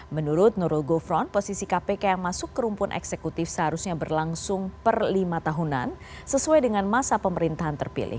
menurut nurul gufron posisi kpk yang masuk ke rumpun eksekutif seharusnya berlangsung per lima tahunan sesuai dengan masa pemerintahan terpilih